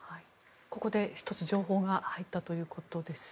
ここで１つ情報が入ったということですね。